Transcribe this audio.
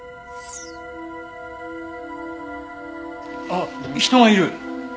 あっ人がいる！